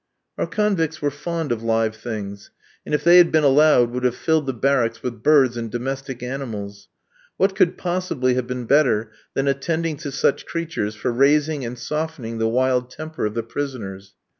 Our convicts were fond of live things, and if they had been allowed would have filled the barracks with birds and domestic animals. What could possibly have been better than attending to such creatures for raising and softening the wild temper of the prisoners?